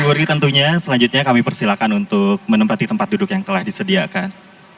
terima kasih tentunya selanjutnya kami persilahkan untuk menempati tempat duduk yang telah disediakan